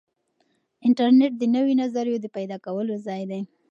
انټرنیټ د نویو نظریو د پیدا کولو ځای دی.